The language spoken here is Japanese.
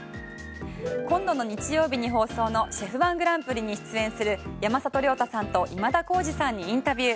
今度の日曜日に放送の「ＣＨＥＦ−１グランプリ」に出演する山里亮太さんと今田耕司さんにインタビュー。